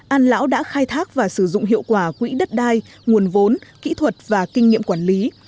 an lão đã khai thác và sử dụng hiệu quả quỹ đất đai nguồn vốn kỹ thuật và kinh nghiệm quản lý